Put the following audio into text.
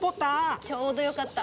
ちょうどよかった。